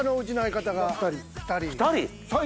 ２人！